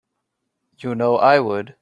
You know I would.